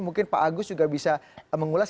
mungkin pak agus juga bisa mengulas